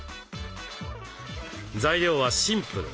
材料はシンプル。